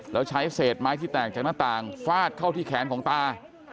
แล้วใช้เศษไม้ที่แตกจากหน้าต่างฟาดเข้าที่แขนของตา